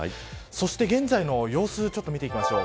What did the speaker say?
そして現在の様子を見ていきましょう。